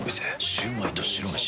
シュウマイと白めし。